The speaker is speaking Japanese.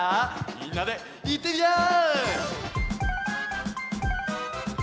みんなでいってみよう！